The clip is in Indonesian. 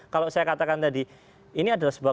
kalau saya katakan tadi ini adalah sebuah